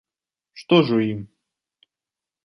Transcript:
Што ж у ім?